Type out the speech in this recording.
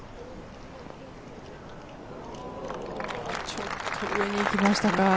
ちょっと上に行きましたか。